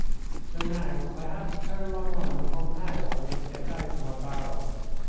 So now I had to turn my mind upon how I was to get out of my barrel.